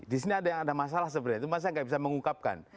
di sini ada yang ada masalah sebenarnya itu masa nggak bisa mengungkapkan